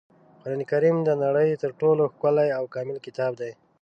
قرانکریم د نړۍ تر ټولو ښکلی او کامل کتاب دی.